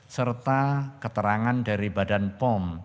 serta keterangan dari badan pom